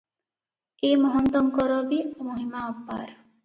ଏ ମହନ୍ତଙ୍କର ବି ମହିମା ଅପାର ।